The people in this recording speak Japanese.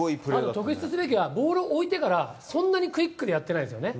特質すべきはボールを置いてからそんなにクイックでやってないんですよね。